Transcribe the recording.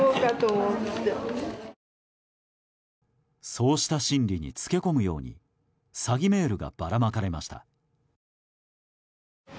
そうした心理につけ込むように詐欺メールがばらまかれました。